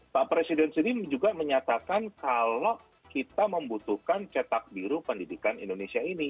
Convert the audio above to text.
pak presiden sendiri juga menyatakan kalau kita membutuhkan cetak biru pendidikan indonesia ini